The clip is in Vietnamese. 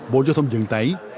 tám mươi năm bộ dô thông dân tải